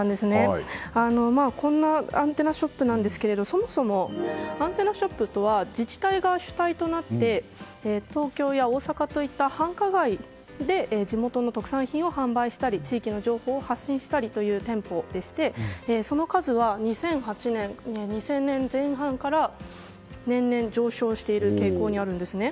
こんなアンテナショップですがそもそもアンテナショップとは自治体が主体となって東京や大阪といった繁華街で地元の特産品を販売したり地域の情報を発信したりする店舗でしてその数は、２０００年前半から年々、上昇している傾向にあるんですね。